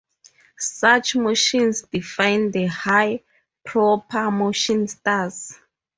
Such motions define the "high-proper-motion stars".